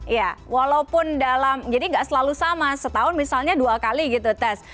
ya walaupun dalam jadi nggak selalu sama setahun misalnya dua kali gitu tes